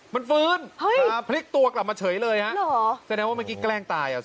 มันฟื้นพลิกตัวกลับมาเฉยเลยฮะแสดงว่าเมื่อกี้แกล้งตายอ่ะสิ